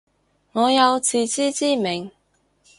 我有自知之明